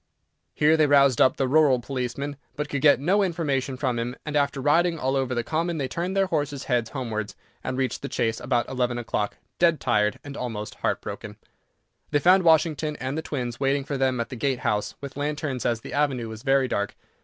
Here they roused up the rural policeman, but could get no information from him, and, after riding all over the common, they turned their horses' heads homewards, and reached the Chase about eleven o'clock, dead tired and almost heart broken. They found Washington and the twins waiting for them at the gate house with lanterns, as the avenue was very dark.